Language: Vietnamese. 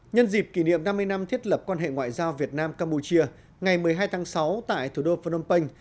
nhân dịp kỷ niệm năm mươi năm thiết lập quan hệ ngoại giao việt nam campuchia ngày một mươi hai tháng sáu tại thủ đô phnom penh